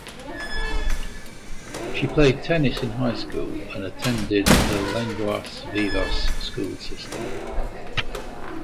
She played tennis in high school and attended the Lenguas Vivas school system.